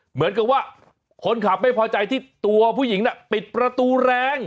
เหมือนกับว่าคนขับไม่พอใจที่ตัวผู้หญิงน่ะปิดประตูแรง